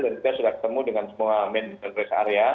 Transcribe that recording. dan kita sudah ketemu dengan semua men res area